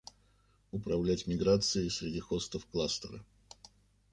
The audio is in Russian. Управлять миграцией среди хостов кластера